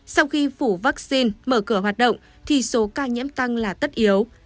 sau khi phủ vaccine mở cửa hoạt động thì số ca nhiễm tăng là tất yếu